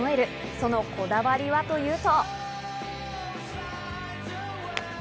そのこだわりはというと。